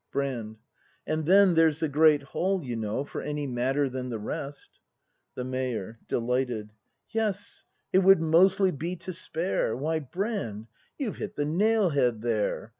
Brand. And then, there's the great Hall, you know, For any madder than the rest. The Mayor. [Delighted.] Yes, it would mostly be to spare! Why, Brand, you've hit the nail head there!